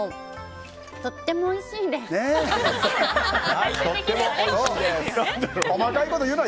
とってもおいしいです。ねえ！